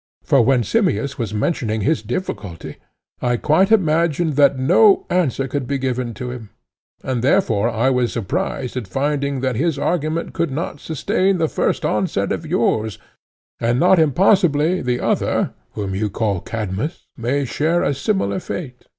For when Simmias was mentioning his difficulty, I quite imagined that no answer could be given to him, and therefore I was surprised at finding that his argument could not sustain the first onset of yours, and not impossibly the other, whom you call Cadmus, may share a similar fate.